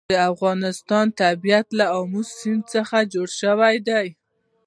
د افغانستان طبیعت له آمو سیند څخه جوړ شوی دی.